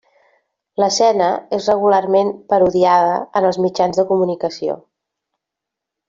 L'escena és regularment parodiada en els mitjans de comunicació.